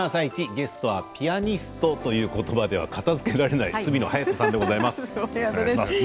ゲストはピアニストという言葉では片づけられない角野隼斗さんでございます。